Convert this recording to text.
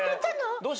どうした？